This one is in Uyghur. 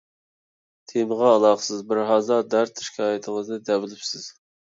تېمىغا ئالاقىسىز بىرھازا دەرد - شىكايىتىڭىزنى دەۋېلىپسىز.